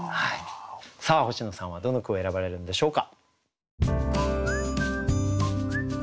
さあ星野さんはどの句を選ばれるんでしょうか？